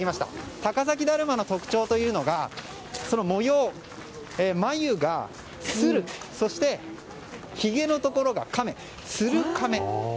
高崎だるまの特徴というのが模様、眉が鶴そして、ひげのところが亀鶴亀。